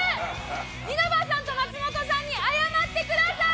稲葉さんと松本さんに謝ってください！